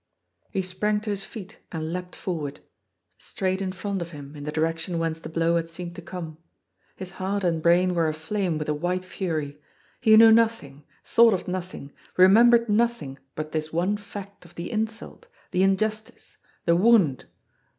He sprang to his feet and leaped forward — straight in front of him, in the direction whence the blow had seemed to come. His heart and brain were aflame with a white fury. He knew nothing, thought of nothing, remembered nothing but this one fact of the insult, the injustice, the wound